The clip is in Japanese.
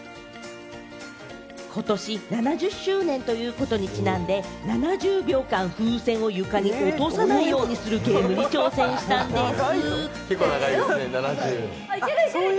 ことし７０周年ということにちなんで、７０秒間、風船を床に落とさないようにするゲームに挑戦したんでぃす。